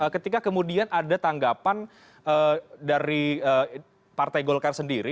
ketika kemudian ada tanggapan dari partai golkar sendiri